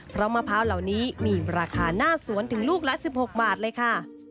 เพราะมะพร้าวเหล่านี้มีราคาหน้าสวนถึงลูกละ๑๖บาทเลยค่ะ